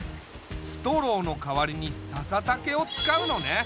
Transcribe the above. ストローの代わりにささ竹を使うのね。